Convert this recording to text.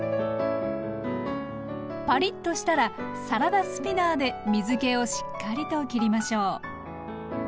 パリッとしたらサラダスピナーで水けをしっかりと切りましょう。